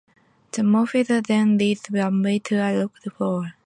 The moffedille then leads the way to a locked door.